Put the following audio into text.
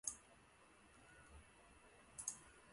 他在代格福什的成功吸引不少国内球会注意。